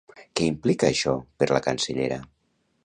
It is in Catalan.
Què implica això per la cancellera?